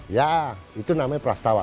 ya itu namanya prastawa